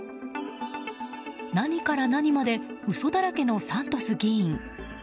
何から何まで嘘だらけのサントス議員。